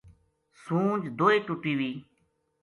سونج دوئے ٹُٹی وی